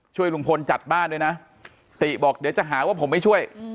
ช่วยลุงพลจัดบ้านด้วยนะติบอกเดี๋ยวจะหาว่าผมไม่ช่วย